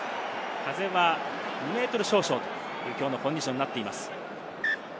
風は２メートル少々というきょうのコンディションになっています。